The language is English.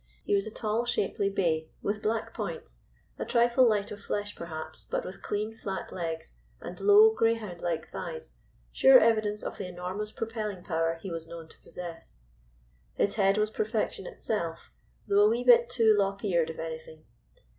He was a tall, shapely bay, with black points, a trifle light of flesh perhaps, but with clean, flat legs, and low, greyhound like thighs sure evidence of the enormous propelling power he was known to possess. His head was perfection itself, though a wee bit too lop eared if anything.